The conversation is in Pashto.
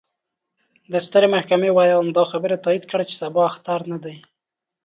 ستر محكمې وياند: دا خبره تايد کړه، چې سبا اختر نه دې.